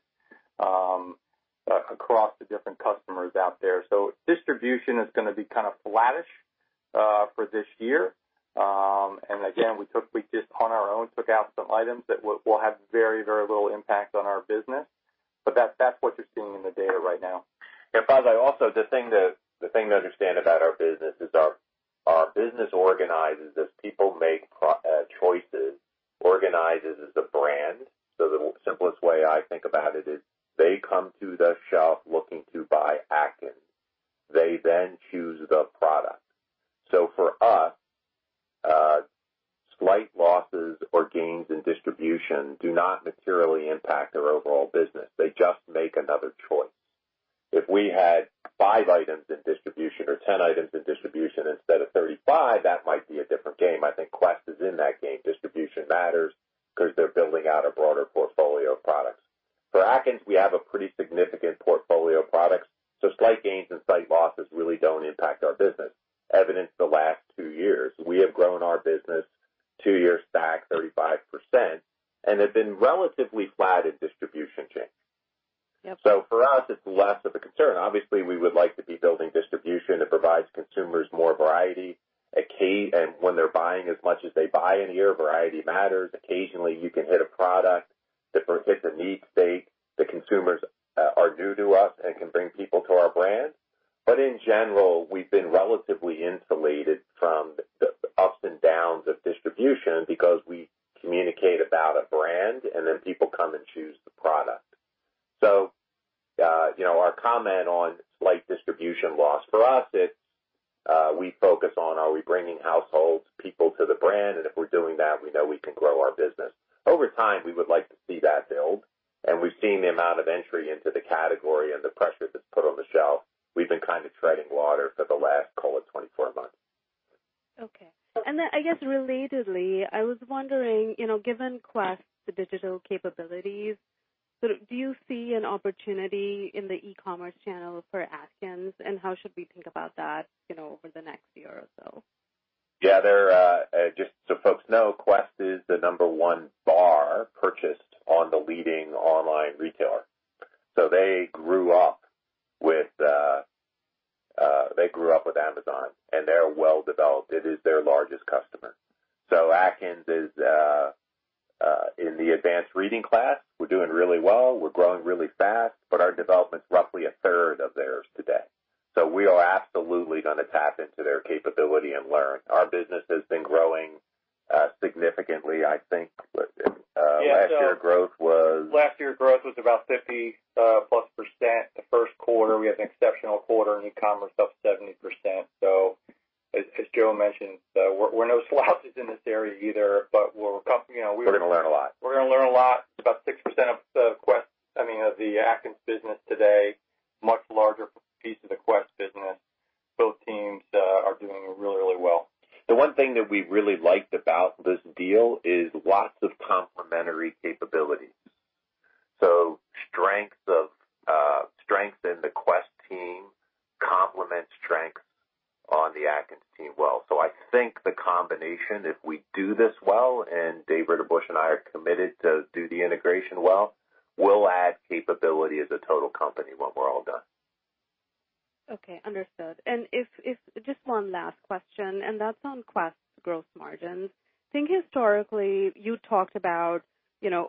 across the different customers out there. Distribution is going to be kind of flattish for this year. Again, we just, on our own, took out some items that will have very little impact on our business, that's what you're seeing in the data right now. Faiza, also, the thing to understand about our business is our business organizes as people make choices, organizes as a brand. The simplest way I think about it is they come to the shelf looking to buy Atkins. They then choose the product. For us, slight losses or gains in distribution do not materially impact our overall business. They just make another choice. If we had five items in distribution or 10 items in distribution instead of 35, that might be a different game. I think Quest is in that game. Distribution matters because they're building out a broader portfolio of products. For Atkins, we have a pretty significant portfolio of products. Slight gains and slight losses really don't impact our business. Evidenced the last two years, we have grown our business two years stacked 35%, and they've been relatively flat in distribution change. Yep. For us, it's less of a concern. Obviously, we would like to be building distribution that provides consumers more variety. When they're buying as much as they buy in a year, variety matters. Occasionally, you can hit a product that predicts a need state. The consumers are new to us and can bring people to our brand. In general, we've been relatively insulated from the ups and downs of distribution because we communicate about a brand and then people come and choose the product. Our comment on slight distribution loss. For us, it's we focus on are we bringing households, people to the brand, and if we're doing that, we know we can grow our business. Over time, we would like to see that build, and we've seen the amount of entry into the category and the pressure that's put on the shelf. We've been treading water for the last call it 24 months. Okay. Then, I guess relatedly, I was wondering, given Quest's digital capabilities, do you see an opportunity in the e-commerce channel for Atkins, and how should we think about that over the next year or so? Yeah. Just so folks know, Quest is the number one bar purchased on the leading online retailer. They grew up with Amazon, and they're well developed. It is their largest customer. Atkins is in the advanced reading class. We're doing really well. We're growing really fast, our development's roughly a third of theirs today. We are absolutely going to tap into their capability and learn. Our business has been growing significantly, I think. Last year growth was. Last year growth was about 50% plus. The first quarter, we had an exceptional quarter in e-commerce, up 70%. As Joe mentioned, we're no slouches in this area either. We're gonna learn a lot. We're going to learn a lot. It's about 6% of the Atkins business today, much larger piece of the Quest business. Both teams are doing really well. The one thing that we really liked about this deal is lots of complementary capabilities. Strength in the Quest team complements strength on the Atkins team well. I think the combination, if we do this well, and Dave Ritterbush and I are committed to do the integration well, will add capability as a total company when we're all done. Okay, understood. If, just one last question, and that's on Quest's growth margins. Think historically, you talked about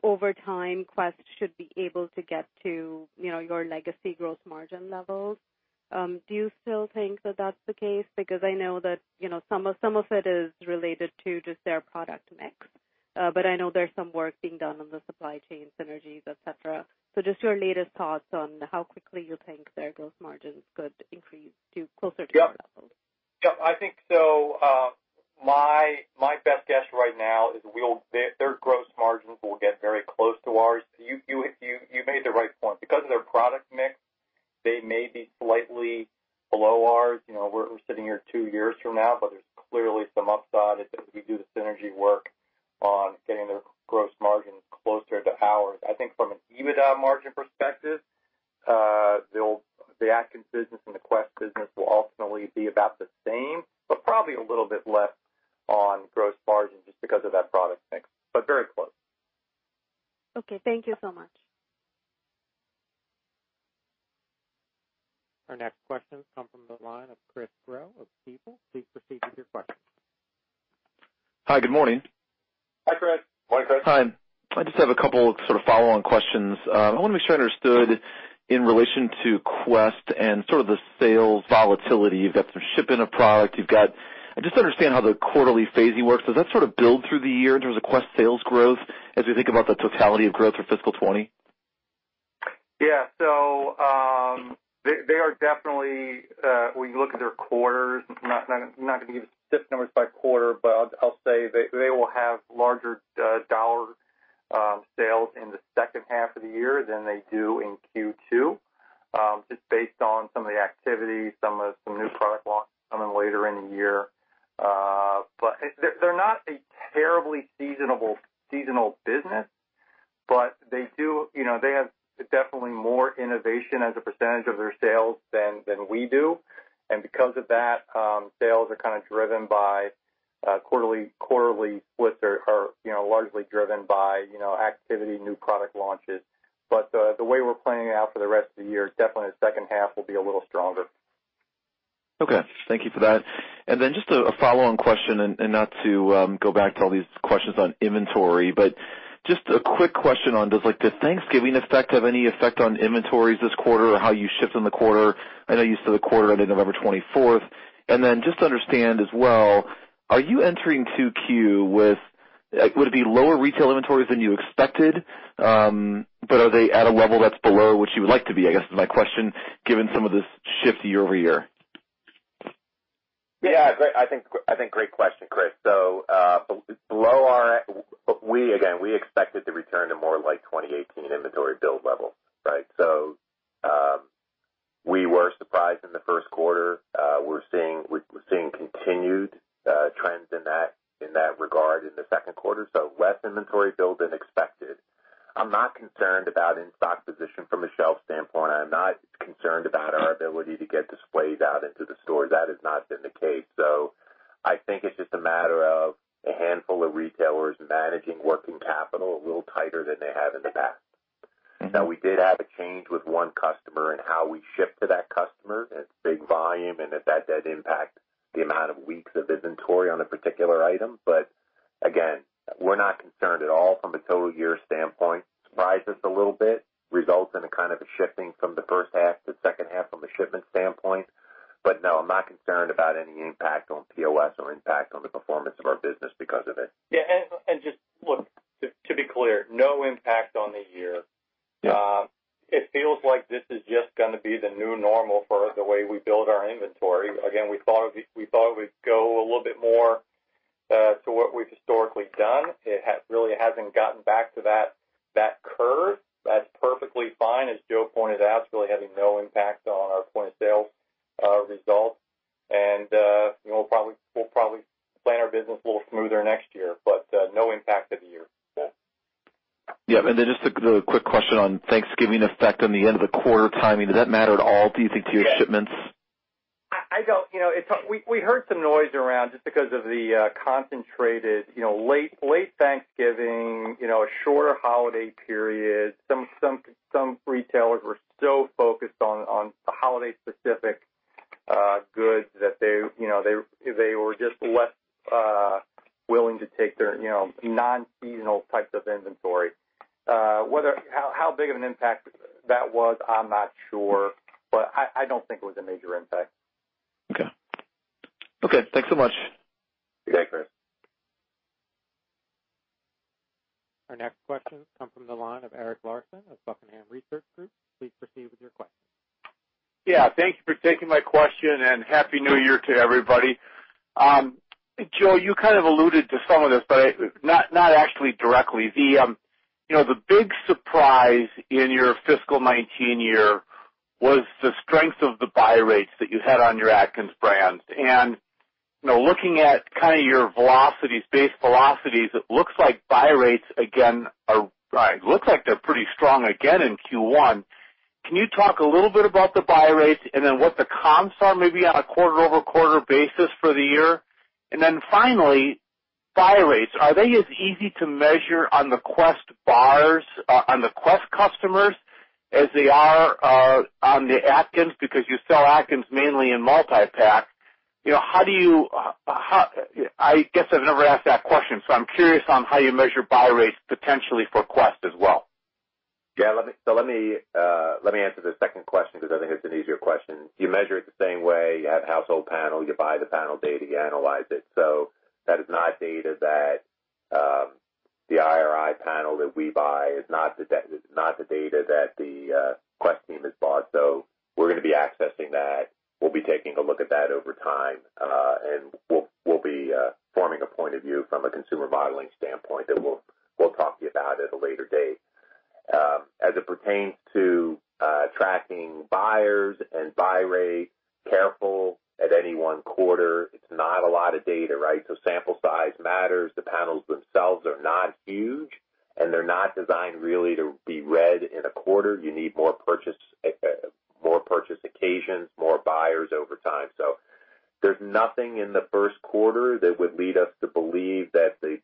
over time, Quest should be able to get to your legacy growth margin levels. Do you still think that that's the case? I know that some of it is related to just their product mix. I know there's some work being done on the supply chain synergies, et cetera. Just your latest thoughts on how quickly you think their growth margins could increase to closer to your levels. Yep. I think so. My best guess right now is their gross margins will get very close to ours. You made the right point. Because of their product mix, they may be slightly below ours. We're sitting here two years from now, but there's clearly some upside as we do the synergy work on getting their gross margins closer to ours. I think from an EBITDA margin perspective, the Atkins business and the Quest business will ultimately be about the same, but probably a little bit less on gross margin just because of that product mix, but very close. Okay. Thank you so much. Our next question comes from the line of Chris Growe of Stifel. Please proceed with your question. Hi, good morning. Hi, Chris. Morning, Chris. Hi. I just have a couple of sort of follow-on questions. I want to make sure I understood in relation to Quest and sort of the sales volatility. You've got some shipping of product. I just understand how the quarterly phasing works. Does that sort of build through the year in terms of Quest sales growth as we think about the totality of growth for fiscal 2020? Yeah. They are definitely, when you look at their quarters, I'm not going to give you specific numbers by quarter, but I'll say they will have larger dollar sales in the second half of the year than they do in Q2, just based on some of the activity, some new product launches coming later in the year. They're not a terribly seasonal business, but they have definitely more innovation as a percentage of their sales than we do, and because of that, sales are kind of driven by quarterly splits or are largely driven by activity, new product launches. The way we're planning out for the rest of the year, definitely the second half will be a little stronger. Okay. Thank you for that. Just a follow-on question, not to go back to all these questions on inventory, just a quick question on does like the Thanksgiving effect have any effect on inventories this quarter or how you ship in the quarter? I know you said the quarter ended November 24th. Just to understand as well, are you entering 2Q with lower retail inventories than you expected? Are they at a level that's below what you would like to be, I guess is my question, given some of this shift year-over-year? Yeah. I think great question, Chris. Below we again expected to return to more like 2018 inventory build levels, right? We were surprised in the first quarter. We're seeing continued trends in that regard in the second quarter, so less inventory build than expected. I'm not concerned about in-stock position from a shelf standpoint. I'm not concerned about our ability to get I don't. We heard some noise around, just because of the concentrated late Thanksgiving, a shorter holiday period. Some retailers were so focused on the holiday-specific goods that they were just less willing to take their non-seasonal types of inventory. How big of an impact that was, I'm not sure, but I don't think it was a major impact. Okay. Thanks so much. You bet, Chris. Our next question comes from the line of Eric Larson of Buckingham Research Group. Please proceed with your question. Yeah. Thank you for taking my question. Happy New Year to everybody. Joe, you kind of alluded to some of this, but not actually directly. The big surprise in your fiscal 2019 year was the strength of the buy rates that you had on your Atkins brands. Looking at your base velocities, it looks like buy rates, again, it looks like they're pretty strong again in Q1. Can you talk a little bit about the buy rates and then what the comps are maybe on a quarter-over-quarter basis for the year? Finally, buy rates, are they as easy to measure on the Quest customers as they are on the Atkins, because you sell Atkins mainly in multi-pack? I guess I've never asked that question, so I'm curious on how you measure buy rates potentially for Quest as well. Yeah. Let me answer the second question because I think it's an easier question. You measure it the same way. You have household panels. You buy the panel data, you analyze it. That is not data that the IRI panel that we buy, is not the data that the Quest team has bought. We're going to be accessing that. We'll be taking a look at that over time. We'll be forming a point of view from a consumer modeling standpoint that we'll talk to you about at a later date. As it pertains to tracking buyers and buy rate, careful at any one quarter, it's not a lot of data, right? Sample size matters. The panels themselves are not huge, and they're not designed really to be read in a quarter. You need more purchase occasions, more buyers over time. There's nothing in the first quarter that would lead us to believe that the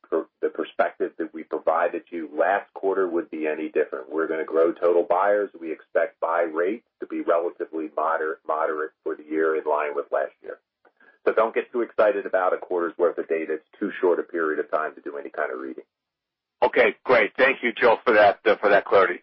perspective that we provided to you last quarter would be any different. We're going to grow total buyers. We expect buy rates to be relatively moderate for the year in line with last year. Don't get too excited about a quarter's worth of data. It's too short a period of time to do any kind of reading. Okay, great. Thank you, Joe, for that clarity. Thanks, guys. Thanks, Eric. Our final question comes from the line of Rebecca Schindler of Morningstar. Please proceed with your question. Good morning. I just have a higher-level question this morning. If you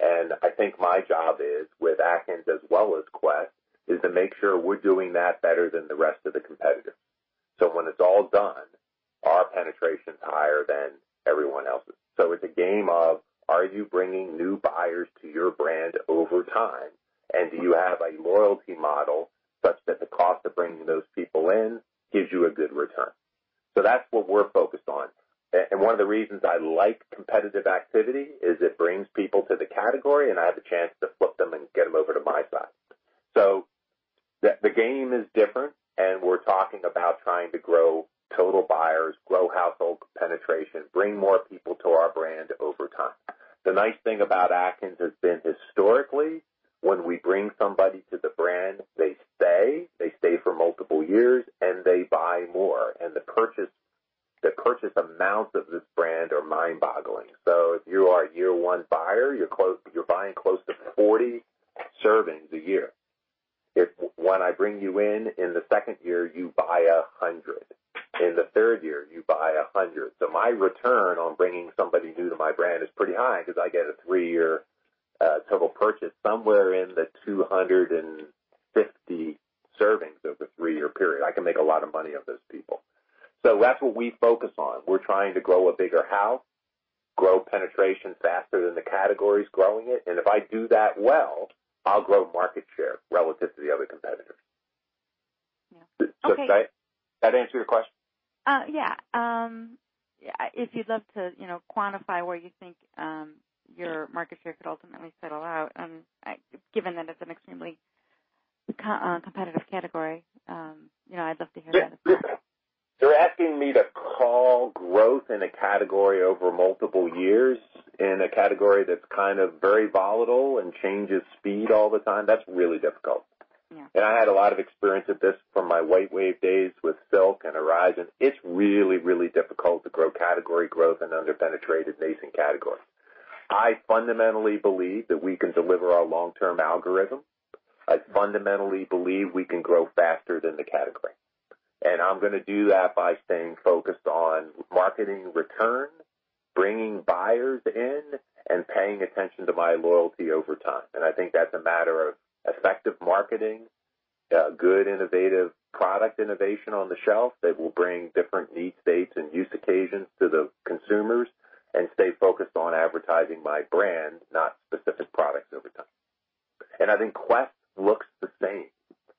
I think my job is, with Atkins as well as Quest, is to make sure we're doing that better than the rest of the competitors. When it's all done, our penetration is higher than everyone else's. It's a game of are you bringing new buyers to your brand over time, and do you have a loyalty model such that the cost of bringing those people in gives you a good return? That's what we're focused on. One of the reasons I like competitive activity is it brings people to the category, and I have a chance to flip them and get them over to my side. The game is different, and we're talking about trying to grow total buyers, grow household penetration, bring more people to our brand over time. The nice thing about Atkins has been historically, when we bring somebody to the brand, they stay for multiple years, and they buy more. The purchase amounts of this brand are mind-boggling. If you are a year one buyer, you're buying close to 40 servings a year. If when I bring you in in the second year, you buy 100. In the third year, you buy 100. My return on bringing somebody new to my brand is pretty high because I get a three-year total purchase somewhere in the 250 servings over the three-year period. I can make a lot of money off those people. That's what we focus on. We're trying to grow a bigger house, grow penetration faster than the category's growing it, and if I do that well, I'll grow market share relative to the other competitors. Yeah. Okay. Does that answer your question? Yeah. If you'd love to quantify where you think your market share could ultimately settle out given that it's an extremely competitive category, I'd love to hear that as well. You're asking me to call growth in a category over multiple years in a category that's very volatile and changes speed all the time. That's really difficult. Yeah. I had a lot of experience with this from my WhiteWave days with Silk and Horizon. It's really, really difficult to grow category growth in an under-penetrated nascent category. I fundamentally believe that we can deliver our long-term algorithm. I fundamentally believe we can grow faster than the category. I'm going to do that by staying focused on marketing return, bringing buyers in, and paying attention to my loyalty over time. I think that's a matter of effective marketing, good innovative product innovation on the shelf that will bring different need states and use occasions to the consumers and stay focused on advertising my brand, not specific products over time. I think Quest looks the same.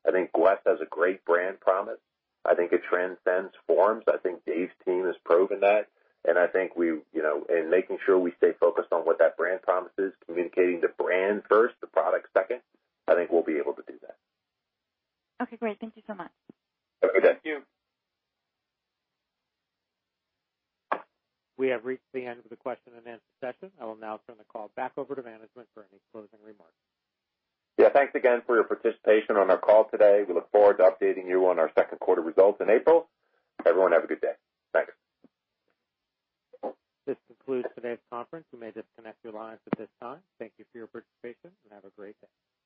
I think Quest has a great brand promise. I think it transcends forms. I think Dave's team has proven that. I think in making sure we stay focused on what that brand promise is, communicating the brand first, the product second, I think we'll be able to do that. Okay, great. Thank you so much. Okay. Thank you. We have reached the end of the question-and-answer session. I will now turn the call back over to management for any closing remarks. Yeah. Thanks again for your participation on our call today. We look forward to updating you on our second quarter results in April. Everyone have a good day. Thanks. This concludes today's conference. You may disconnect your lines at this time. Thank you for your participation, and have a great day.